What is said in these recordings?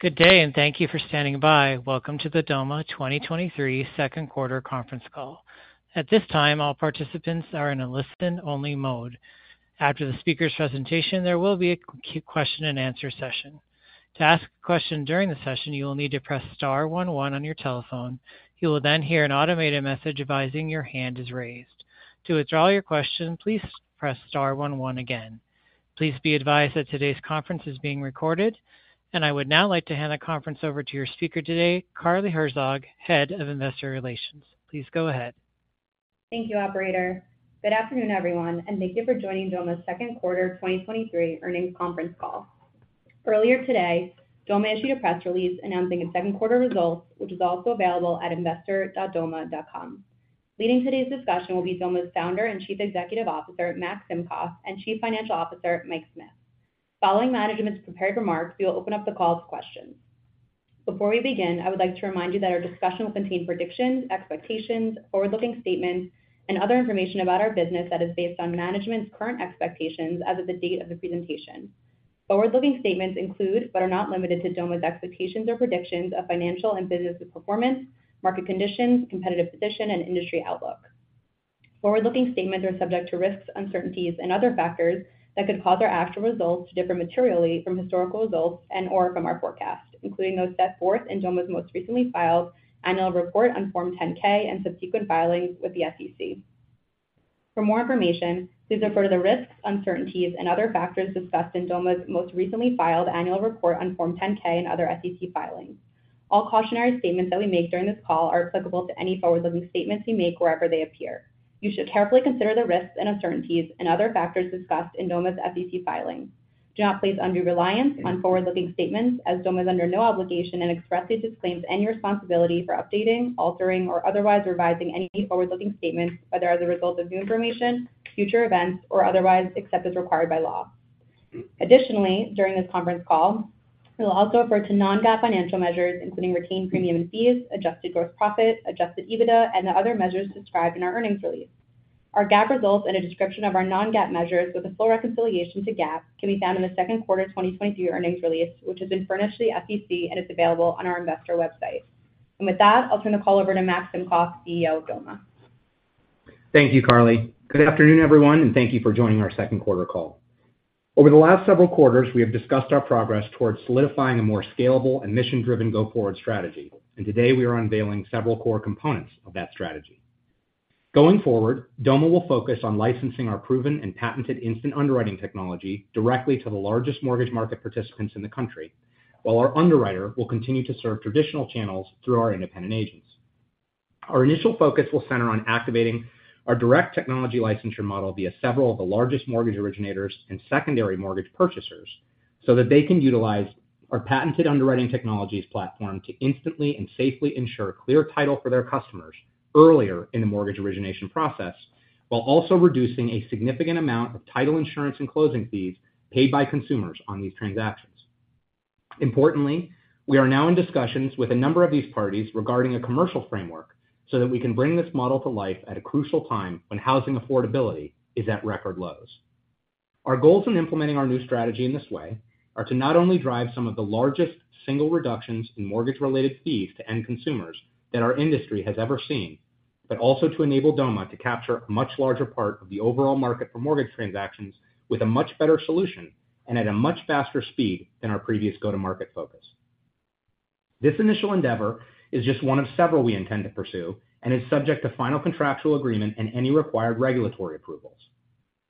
Good day, and thank you for standing by. Welcome to the Doma 2023 second quarter conference call. At this time, all participants are in a listen-only mode. After the speaker's presentation, there will be a question and answer session. To ask a question during the session, you will need to press star 11 on your telephone. You will then hear an automated message advising your hand is raised. To withdraw your question, please press star 11 again. Please be advised that today's conference is being recorded, and I would now like to hand the conference over to your speaker today, Carlee Herzog, Head of Investor Relations. Please go ahead. Thank you, operator. Good afternoon, everyone, and thank you for joining Doma's second quarter 2023 earnings conference call. Earlier today, Doma issued a press release announcing its second quarter results, which is also available at investor.doma.com. Leading today's discussion will be Doma's Founder and Chief Executive Officer, Max Simkoff, and Chief Financial Officer, Mike Smith. Following management's prepared remarks, we will open up the call to questions. Before we begin, I would like to remind you that our discussion will contain predictions, expectations, forward-looking statements, and other information about our business that is based on management's current expectations as of the date of the presentation. Forward-looking statements include, but are not limited to, Doma's expectations or predictions of financial and business performance, market conditions, competitive position, and industry outlook. Forward-looking statements are subject to risks, uncertainties, and other factors that could cause our actual results to differ materially from historical results and or from our forecast, including those set forth in Doma's most recently filed annual report on Form 10-K and subsequent filings with the SEC. For more information, please refer to the risks, uncertainties and other factors discussed in Doma's most recently filed annual report on Form 10-K and other SEC filings. All cautionary statements that we make during this call are applicable to any forward-looking statements we make wherever they appear. You should carefully consider the risks and uncertainties and other factors discussed in Doma's SEC filings. Do not place undue reliance on forward-looking statements as Doma is under no obligation and expressly disclaims any responsibility for updating, altering, or otherwise revising any forward-looking statements, whether as a result of new information, future events, or otherwise, except as required by law. During this conference call, we'll also refer to non-GAAP financial measures, including retained premiums and fees, adjusted gross profit, adjusted EBITDA, and the other measures described in our earnings release. Our GAAP results and a description of our non-GAAP measures with a full reconciliation to GAAP can be found in the second quarter 2023 earnings release, which has been furnished to the SEC and is available on our investor website. With that, I'll turn the call over to Max Simkoff, CEO of Doma. Thank you, Carlee. Good afternoon, everyone, and thank you for joining our second quarter call. Over the last several quarters, we have discussed our progress towards solidifying a more scalable and mission-driven go-forward strategy, and today we are unveiling several core components of that strategy. Going forward, Doma will focus on licensing our proven and patented Instant Underwriting technology directly to the largest mortgage market participants in the country, while our Underwriting will continue to serve traditional channels through our independent agents. Our initial focus will center on activating our direct technology licensure model via several of the largest mortgage originators and secondary mortgage purchasers, so that they can utilize our patented Instant Underwriting technology to instantly and safely ensure a clear title for their customers earlier in the mortgage origination process, while also reducing a significant amount of title insurance and closing fees paid by consumers on these transactions. Importantly, we are now in discussions with a number of these parties regarding a commercial framework so that we can bring this model to life at a crucial time when housing affordability is at record lows. Our goals in implementing our new strategy in this way are to not only drive some of the largest single reductions in mortgage-related fees to end consumers that our industry has ever seen, but also to enable Doma to capture a much larger part of the overall market for mortgage transactions with a much better solution and at a much faster speed than our previous go-to-market focus. This initial endeavor is just one of several we intend to pursue and is subject to final contractual agreement and any required regulatory approvals.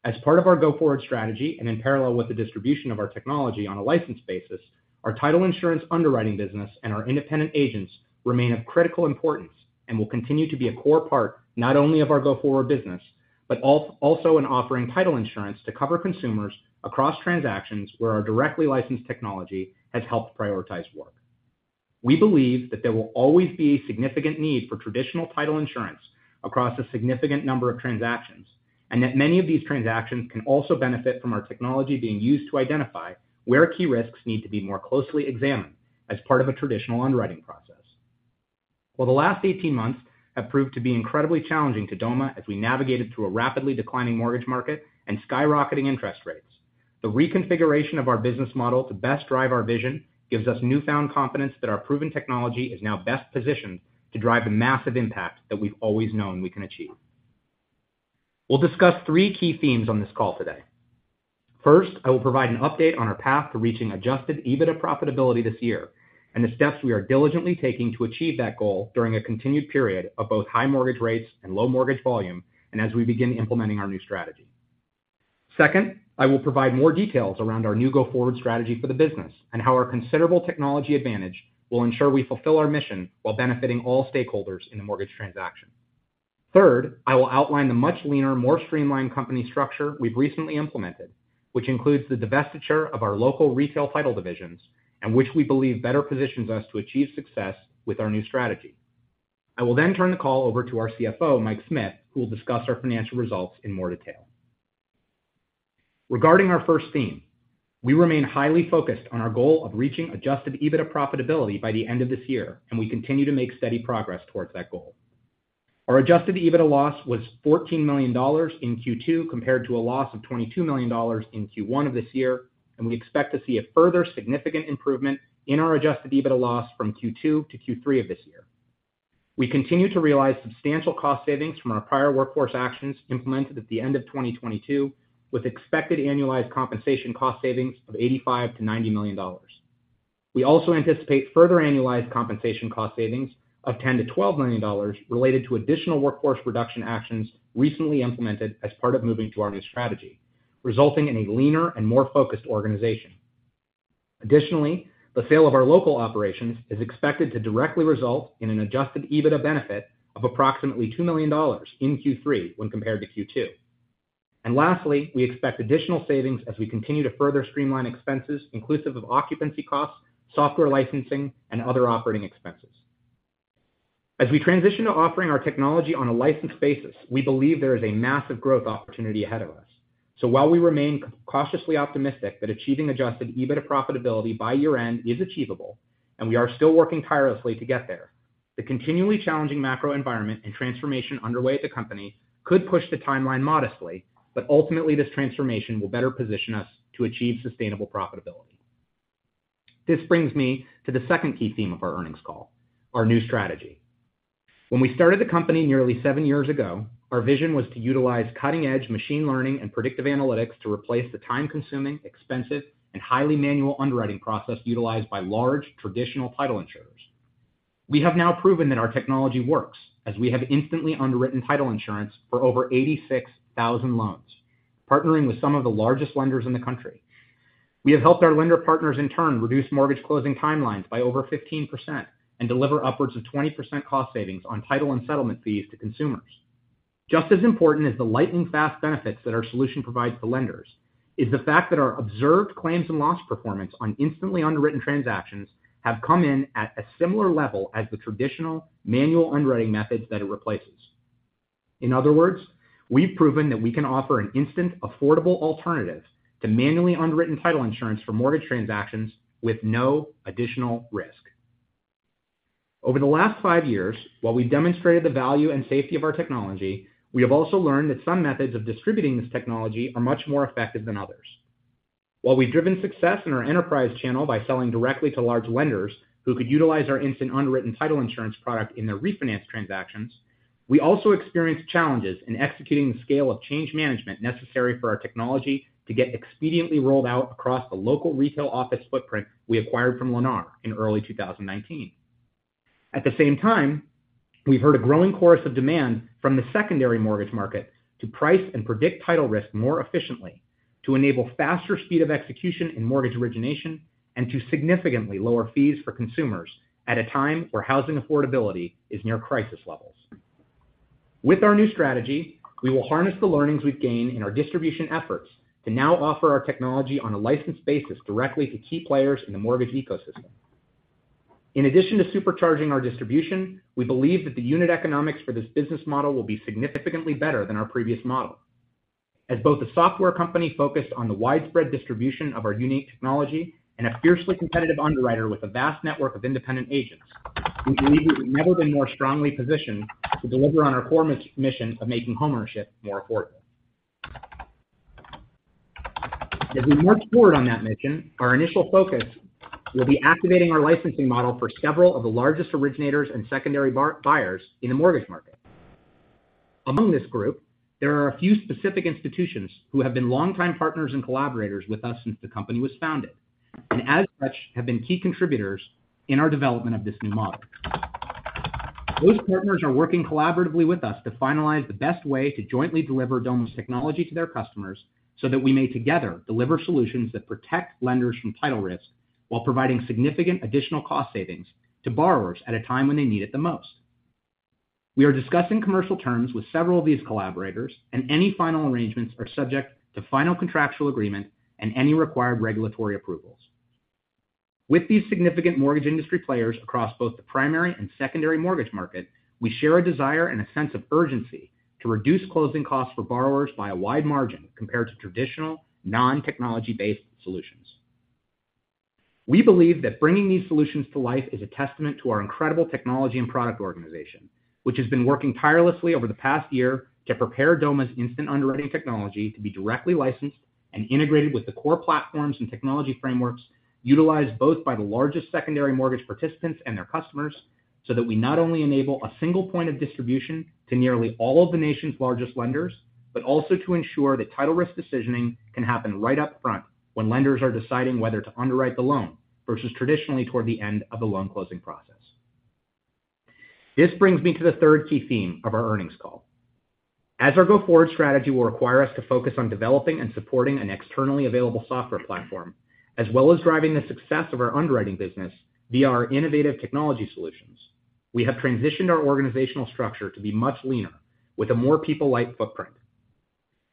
As part of our go-forward strategy and in parallel with the distribution of our technology on a licensed basis, our title insurance Underwriting business and our independent agents remain of critical importance and will continue to be a core part, not only of our go-forward business, but also in offering title insurance to cover consumers across transactions where our directly licensed technology has helped prioritize work. We believe that there will always be a significant need for traditional title insurance across a significant number of transactions, and that many of these transactions can also benefit from our technology being used to identify where key risks need to be more closely examined as part of a traditional Underwriting process. Well, the last 18 months have proved to be incredibly challenging to Doma as we navigated through a rapidly declining mortgage market and skyrocketing interest rates. The reconfiguration of our business model to best drive our vision gives us newfound confidence that our proven technology is now best positioned to drive the massive impact that we've always known we can achieve. We'll discuss three key themes on this call today. First, I will provide an update on our path to reaching adjusted EBITDA profitability this year and the steps we are diligently taking to achieve that goal during a continued period of both high mortgage rates and low mortgage volume, and as we begin implementing our new strategy. Second, I will provide more details around our new go-forward strategy for the business and how our considerable technology advantage will ensure we fulfill our mission while benefiting all stakeholders in the mortgage transaction. Third, I will outline the much leaner, more streamlined company structure we've recently implemented, which includes the divestiture of our local retail title divisions, and which we believe better positions us to achieve success with our new strategy. I will then turn the call over to our CFO, Mike Smith, who will discuss our financial results in more detail. Regarding our first theme, we remain highly focused on our goal of reaching adjusted EBITDA profitability by the end of this year. We continue to make steady progress towards that goal. Our adjusted EBITDA loss was $14 million in Q2, compared to a loss of $22 million in Q1 of this year. We expect to see a further significant improvement in our adjusted EBITDA loss from Q2 to Q3 of this year. We continue to realize substantial cost savings from our prior workforce actions implemented at the end of 2022, with expected annualized compensation cost savings of $85 million-$90 million. We also anticipate further annualized compensation cost savings of $10 million-$12 million related to additional workforce reduction actions recently implemented as part of moving to our new strategy, resulting in a leaner and more focused organization. Additionally, the sale of our local operations is expected to directly result in an adjusted EBITDA benefit of approximately $2 million in Q3 when compared to Q2. Lastly, we expect additional savings as we continue to further streamline expenses, inclusive of occupancy costs, software licensing, and other operating expenses. As we transition to offering our technology on a licensed basis, we believe there is a massive growth opportunity ahead of us. While we remain cautiously optimistic that achieving adjusted EBITDA profitability by year-end is achievable, and we are still working tirelessly to get there, the continually challenging macro environment and transformation underway at the company could push the timeline modestly, but ultimately, this transformation will better position us to achieve sustainable profitability. This brings me to the second key theme of our earnings call, our new strategy. When we started the company nearly seven years ago, our vision was to utilize cutting-edge machine learning and predictive analytics to replace the time-consuming, expensive, and highly manual underwriting process utilized by large traditional title insurers. We have now proven that our technology works, as we have instantly underwritten title insurance for over 86,000 loans, partnering with some of the largest lenders in the country. We have helped our lender partners, in turn, reduce mortgage closing timelines by over 15% and deliver upwards of 20% cost savings on title and settlement fees to consumers. Just as important as the lightning-fast benefits that our solution provides to lenders, is the fact that our observed claims and loss performance on instantly underwritten transactions have come in at a similar level as the traditional manual underwriting methods that it replaces. In other words, we've proven that we can offer an instant, affordable alternative to manually underwritten title insurance for mortgage transactions with no additional risk. Over the last five years, while we've demonstrated the value and safety of our technology, we have also learned that some methods of distributing this technology are much more effective than others. While we've driven success in our enterprise channel by selling directly to large lenders who could utilize our instant underwritten title insurance product in their refinance transactions, we also experienced challenges in executing the scale of change management necessary for our technology to get expediently rolled out across the local retail office footprint we acquired from Lennar in early 2019. At the same time, we've heard a growing chorus of demand from the secondary mortgage market to price and predict title risk more efficiently, to enable faster speed of execution in mortgage origination, and to significantly lower fees for consumers at a time where housing affordability is near crisis levels. With our new strategy, we will harness the learnings we've gained in our distribution efforts to now offer our technology on a licensed basis directly to key players in the mortgage ecosystem. In addition to supercharging our distribution, we believe that the unit economics for this business model will be significantly better than our previous model. As both a software company focused on the widespread distribution of our unique technology and a fiercely competitive underwriter with a vast network of independent agents, we believe we've never been more strongly positioned to deliver on our core mission of making homeownership more affordable. As we march forward on that mission, our initial focus will be activating our licensing model for several of the largest originators and secondary market buyers in the mortgage market. Among this group, there are a few specific institutions who have been longtime partners and collaborators with us since the company was founded, and as such, have been key contributors in our development of this new model. Those partners are working collaboratively with us to finalize the best way to jointly deliver Doma's technology to their customers so that we may together deliver solutions that protect lenders from title risk while providing significant additional cost savings to borrowers at a time when they need it the most. We are discussing commercial terms with several of these collaborators. Any final arrangements are subject to final contractual agreement and any required regulatory approvals. With these significant mortgage industry players across both the primary and secondary mortgage market, we share a desire and a sense of urgency to reduce closing costs for borrowers by a wide margin compared to traditional, non-technology-based solutions. We believe that bringing these solutions to life is a testament to our incredible technology and product organization, which has been working tirelessly over the past year to prepare Doma's Instant Underwriting technology to be directly licensed and integrated with the core platforms and technology frameworks utilized both by the largest secondary mortgage participants and their customers, so that we not only enable a single point of distribution to nearly all of the nation's largest lenders, but also to ensure that title risk decisioning can happen right up front when lenders are deciding whether to underwrite the loan, versus traditionally toward the end of the loan closing process. This brings me to the third key theme of our earnings call. As our go-forward strategy will require us to focus on developing and supporting an externally available software platform, as well as driving the success of our Underwriting business via our innovative technology solutions, we have transitioned our organizational structure to be much leaner, with a more people-lite footprint.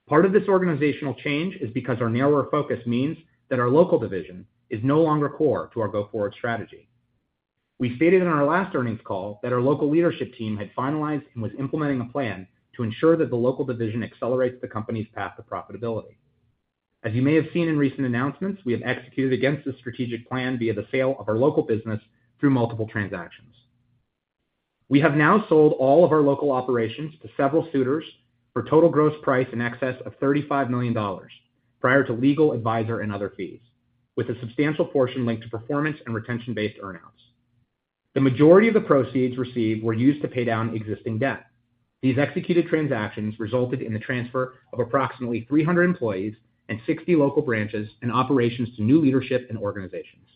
Part of this organizational change is because our narrower focus means that our local division is no longer core to our go-forward strategy. We stated in our last earnings call that our local leadership team had finalized and was implementing a plan to ensure that the local division accelerates the company's path to profitability. As you may have seen in recent announcements, we have executed against this strategic plan via the sale of our local business through multiple transactions. We have now sold all of our local operations to several suitors for total gross price in excess of $35 million prior to legal, advisor, and other fees, with a substantial portion linked to performance and retention-based earnouts. The majority of the proceeds received were used to pay down existing debt. These executed transactions resulted in the transfer of approximately 300 employees and 60 local branches and operations to new leadership and organizations.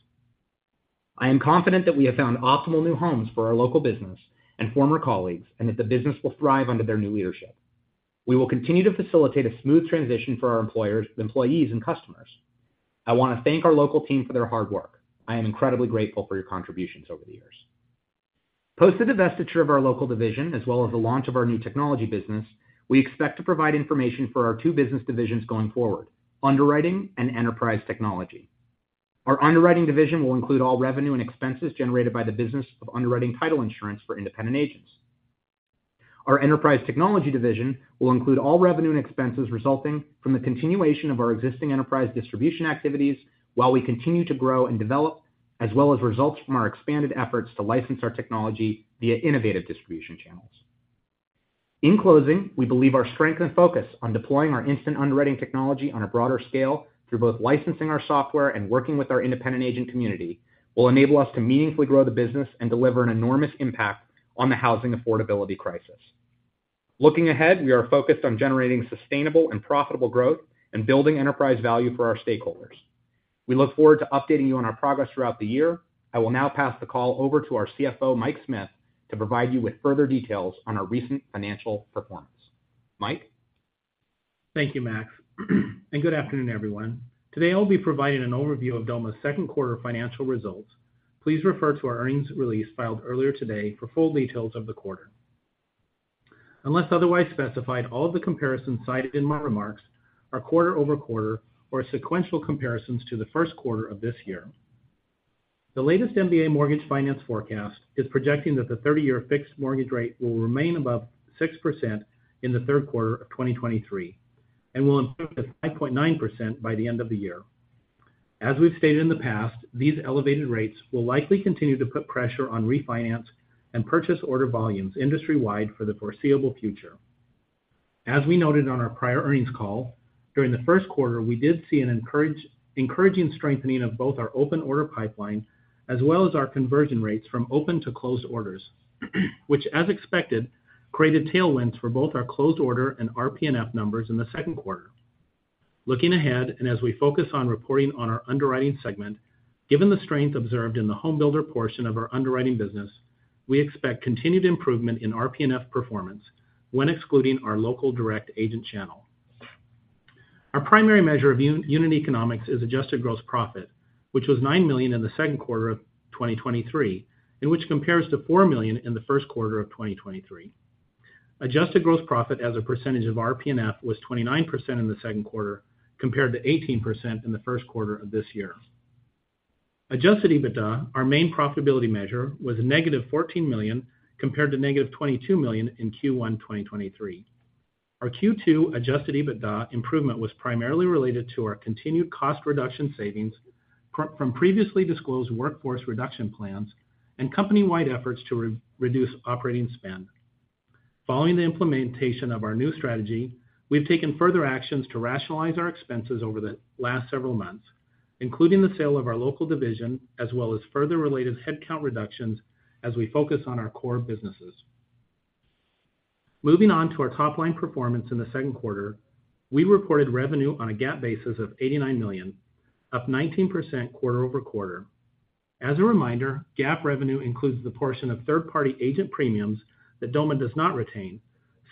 I am confident that we have found optimal new homes for our local business and former colleagues, and that the business will thrive under their new leadership. We will continue to facilitate a smooth transition for our employers, employees, and customers. I want to thank our local team for their hard work. I am incredibly grateful for your contributions over the years. Post the divestiture of our local division, as well as the launch of our new technology business, we expect to provide information for our two business divisions going forward: Underwriting and Enterprise Technology. Our Underwriting division will include all revenue and expenses generated by the business of underwriting title insurance for independent agents. Our Enterprise Technology division will include all revenue and expenses resulting from the continuation of our existing enterprise distribution activities while we continue to grow and develop, as well as results from our expanded efforts to license our technology via innovative distribution channels. In closing, we believe our strength and focus on deploying our Instant Underwriting technology on a broader scale through both licensing our software and working with our independent agent community, will enable us to meaningfully grow the business and deliver an enormous impact on the housing affordability crisis. Looking ahead, we are focused on generating sustainable and profitable growth and building enterprise value for our stakeholders. We look forward to updating you on our progress throughout the year. I will now pass the call over to our CFO, Mike Smith, to provide you with further details on our recent financial performance. Mike? Thank you, Max. Good afternoon, everyone. Today, I'll be providing an overview of Doma's second quarter financial results. Please refer to our earnings release filed earlier today for full details of the quarter. Unless otherwise specified, all of the comparisons cited in my remarks are quarter-over-quarter or sequential comparisons to the 1st quarter of this year. The latest MBA mortgage finance forecast is projecting that the 30-year fixed mortgage rate will remain above 6% in the third quarter of 2023, and will improve to 5.9% by the end of the year. As we've stated in the past, these elevated rates will likely continue to put pressure on refinance and purchase order volumes industry-wide for the foreseeable future. As we noted on our prior earnings call, during the first quarter, we did see an encouraging strengthening of both our open order pipeline as well as our conversion rates from open to closed orders, which, as expected, created tailwinds for both our closed order and RPNF numbers in the second quarter. As we focus on reporting on our Underwriting segment, given the strength observed in the home builder portion of our Underwriting business, we expect continued improvement in RPNF performance when excluding our local direct agent channel. Our primary measure of unit economics is adjusted gross profit, which was $9 million in the second quarter of 2023, and which compares to $4 million in the 1st quarter of 2023. Adjusted gross profit as a percentage of RPNF was 29% in the second quarter, compared to 18% in the first quarter of this year. Adjusted EBITDA, our main profitability measure, was negative $14 million, compared to negative $22 million in Q1 2023. Our Q2 adjusted EBITDA improvement was primarily related to our continued cost reduction savings from previously disclosed workforce reduction plans and company-wide efforts to reduce operating spend. Following the implementation of our new strategy, we've taken further actions to rationalize our expenses over the last several months, including the sale of our local division, as well as further related headcount reductions as we focus on our core businesses. Moving on to our top-line performance in the second quarter, we reported revenue on a GAAP basis of $89 million, up 19% quarter-over-quarter. As a reminder, GAAP revenue includes the portion of third-party agent premiums that Doma does not retain,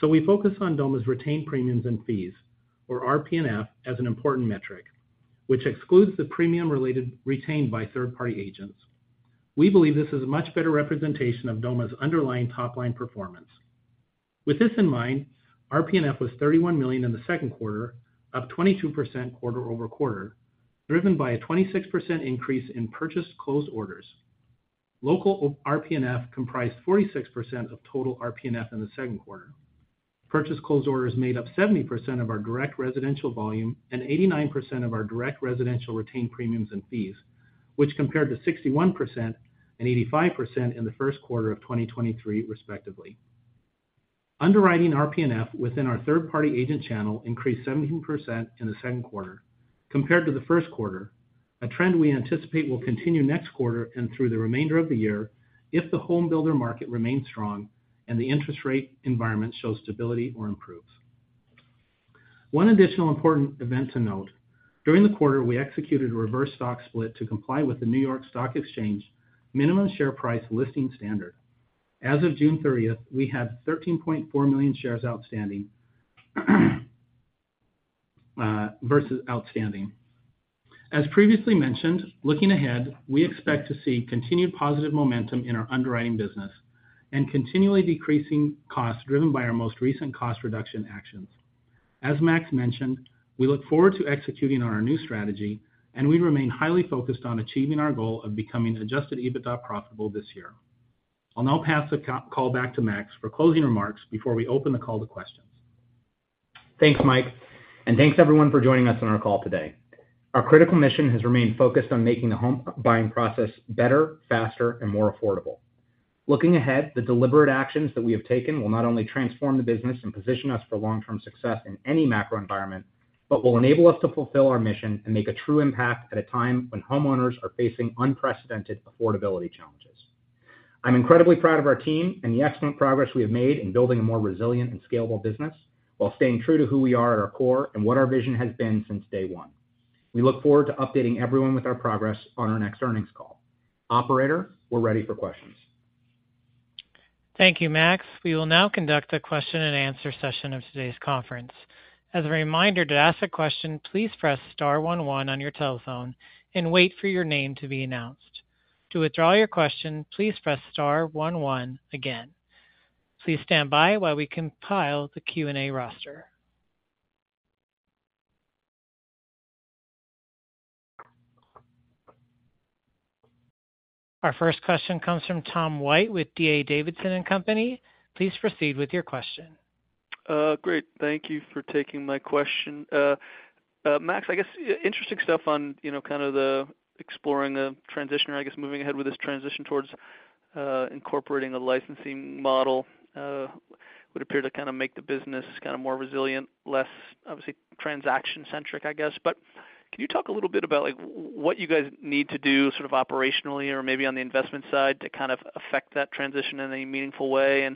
we focus on Doma's retained premiums and fees, or RPNF, as an important metric, which excludes the premium retained by third-party agents. We believe this is a much better representation of Doma's underlying top-line performance. With this in mind, RPNF was $31 million in the second quarter, up 22% quarter-over-quarter, driven by a 26% increase in purchase closed orders. Local RPNF comprised 46% of total RPNF in the second quarter. Purchase closed orders made up 70% of our direct residential volume and 89% of our direct residential retained premiums and fees, which compared to 61% and 85% in the first quarter of 2023, respectively. Underwriting RPNF within our third-party agent channel increased 17% in the second quarter compared to the first quarter, a trend we anticipate will continue next quarter and through the remainder of the year if the home builder market remains strong and the interest rate environment shows stability or improves. One additional important event to note: during the quarter, we executed a reverse stock split to comply with the New York Stock Exchange minimum share price listing standard. As of June 30th, we have 13.4 million shares outstanding. As previously mentioned, looking ahead, we expect to see continued positive momentum in our underwriting business and continually decreasing costs driven by our most recent cost reduction actions. As Max mentioned, we look forward to executing on our new strategy, and we remain highly focused on achieving our goal of becoming adjusted EBITDA profitable this year.... I'll now pass the call back to Max for closing remarks before we open the call to questions. Thanks, Mike, thanks everyone for joining us on our call today. Our critical mission has remained focused on making the home buying process better, faster, and more affordable. Looking ahead, the deliberate actions that we have taken will not only transform the business and position us for long-term success in any macro environment, but will enable us to fulfill our mission and make a true impact at a time when homeowners are facing unprecedented affordability challenges. I'm incredibly proud of our team and the excellent progress we have made in building a more resilient and scalable business, while staying true to who we are at our core and what our vision has been since day one. We look forward to updating everyone with our progress on our next earnings call. Operator, we're ready for questions. Thank you, Max. We will now conduct a question-and-answer session of today's conference. As a reminder, to ask a question, please press star one one on your telephone and wait for your name to be announced. To withdraw your question, please press star one one again. Please stand by while we compile the Q&A roster. Our first question comes from Tom White with D.A. Davidson & Co. Please proceed with your question. Great. Thank you for taking my question. Max, I guess, interesting stuff on, you know, kind of the exploring the transition, or I guess, moving ahead with this transition towards, incorporating a licensing model, would appear to kind of make the business kind of more resilient, less, obviously, transaction-centric, I guess. Can you talk a little bit about, like, what you guys need to do sort of operationally or maybe on the investment side to kind of affect that transition in a meaningful way?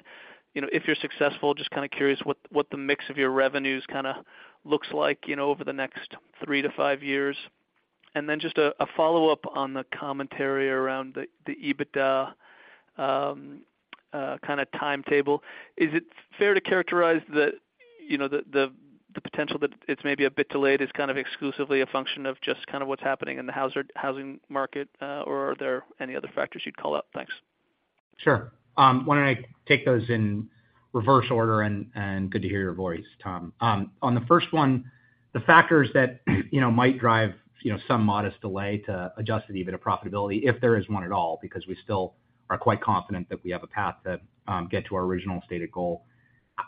You know, if you're successful, just kind of curious what, what the mix of your revenues kinda looks like, you know, over the next three to five years? Then just a, a follow-up on the commentary around the, the EBITDA, kind of timetable. Is it fair to characterize that, you know, the, the, the potential that it's maybe a bit delayed is kind of exclusively a function of just kind of what's happening in the housing market, or are there any other factors you'd call out? Thanks. Sure. Why don't I take those in reverse order, and, and good to hear your voice, Tom. On the first one, the factors that, you know, might drive, you know, some modest delay to adjusted EBITDA profitability, if there is one at all, because we still are quite confident that we have a path to get to our original stated goal.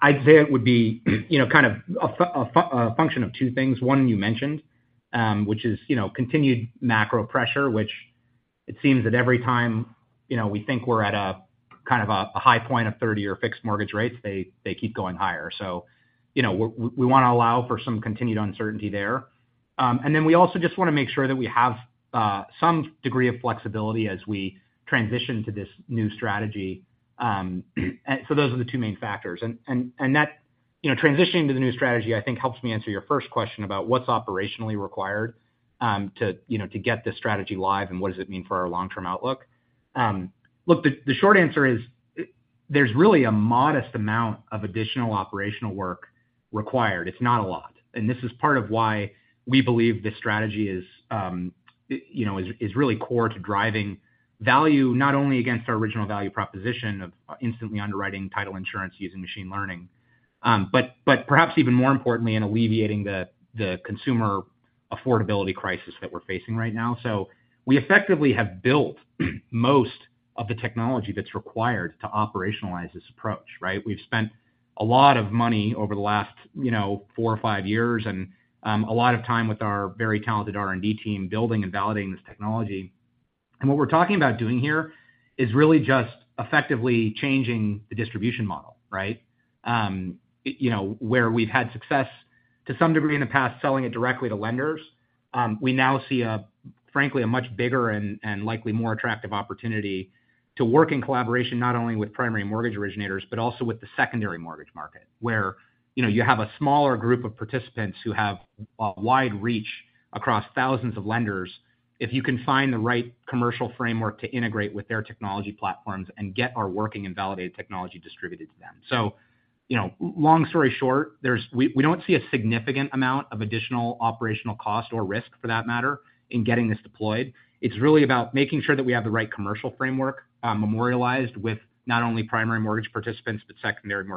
I'd say it would be, you know, kind of a function of two things. One, you mentioned, which is, you know, continued macro pressure, which it seems that every time, you know, we think we're at a kind of a, a high point of 30-year fixed mortgage rates, they, they keep going higher. You know, we, we wanna allow for some continued uncertainty there. Then we also just wanna make sure that we have some degree of flexibility as we transition to this new strategy. So those are the two main factors. That, you know, transitioning to the new strategy, I think, helps me answer your first question about what's operationally required to, you know, to get this strategy live and what does it mean for our long-term outlook. Look, the short answer is, there's really a modest amount of additional operational work required. It's not a lot, and this is part of why we believe this strategy is, you know, is really core to driving value, not only against our original value proposition of instantly underwriting title insurance using machine learning, but perhaps even more importantly, in alleviating the consumer affordability crisis that we're facing right now. We effectively have built most of the technology that's required to operationalize this approach, right? We've spent a lot of money over the last, you know, four or five years, and a lot of time with our very talented R&D team, building and validating this technology. What we're talking about doing here is really just effectively changing the distribution model, right? You know, where we've had success to some degree in the past, selling it directly to lenders, we now see a, frankly, a much bigger and, and likely more attractive opportunity to work in collaboration, not only with primary mortgage originators, but also with the secondary mortgage market, where, you know, you have a smaller group of participants who have a wide reach across thousands of lenders. If you can find the right commercial framework to integrate with their technology platforms and get our working and validated technology distributed to them. you know, long story short, we don't see a significant amount of additional operational cost or risk, for that matter, in getting this deployed. It's really about making sure that we have the right commercial framework, memorialized with not only primary mortgage participants, but secondary mortgage-.